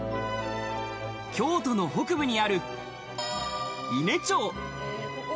京都の北部にある、伊根町。